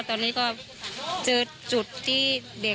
ว่ามีสัญญาณที่ดี